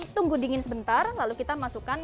tunggu dingin sebentar lalu kita masukkan